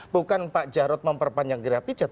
bukan pak jarod memperpanjang graficat